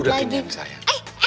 udah udah giniin sayang